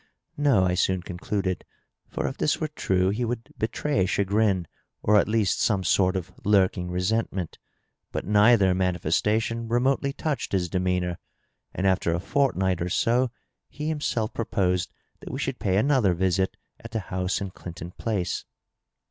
No,l soon concluded; for if this were true he would betray chagrin, or at least some sort of lurking resentment. But neither manifestation remotely touched his demeanor, and after a fortnight or so he himself proposed that we should pay another visit at the house in Clinton Place.